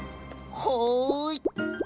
はい。